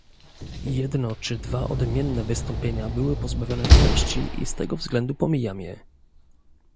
Jedno czy dwa odmienne wystąpienia były pozbawione treści i z tego względu pomijam je